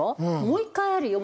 もう１回あるよ